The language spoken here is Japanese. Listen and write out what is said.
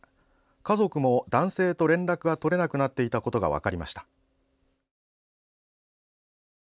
家族も男性と連絡が取れなくなっていたことが分かりました。